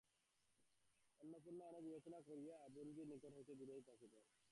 অন্নপূর্ণা অনেক বিবেচনা করিয়া বোনঝির নিকট হইতে দূরেই থাকিতেন।